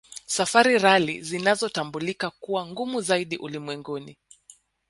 Safari Rally zinazotambulika kuwa ngumu zaidi ulimwenguni